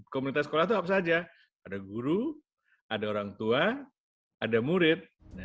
komunitas sekolah itu apa saja ada guru ada orang tua ada murid